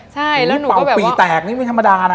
ป่าวปี่แตกนี่ไม่ธรรมดานะ